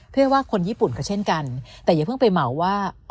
เพื่อว่าคนญี่ปุ่นก็เช่นกันแต่อย่าเพิ่งไปเหมาว่า